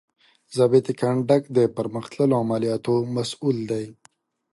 ضابط کنډک د پرمخ تللو د عملیاتو مسؤول دی.